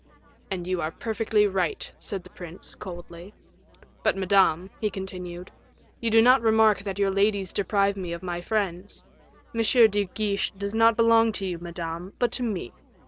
"And you are perfectly right," said the prince, coldly. "But, Madame," he continued, "you do not remark that your ladies deprive me of my friends; M. de Guiche does not belong to you, Madame, but to me.